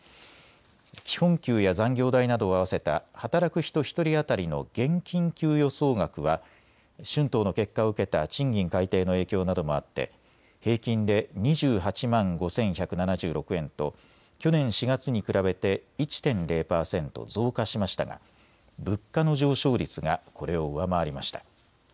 基本給や残業代などを合わせた働く人１人当たりの現金給与総額は春闘の結果を受けた賃金改定の影響などもあって平均で２８万５１７６円と去年４月に比べて１．０％増加しましたが物価の上昇率がこれを上回りました。